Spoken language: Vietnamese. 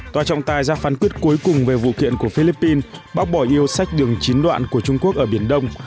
tại ra phán quyết cuối cùng về vụ kiện của philippines bác bỏ yêu sách đường chín đoạn của trung quốc ở biển đông